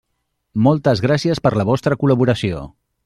Moltes gràcies per la vostra col·laboració.